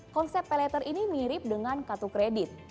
konsep pay later ini mirip dengan kartu kredit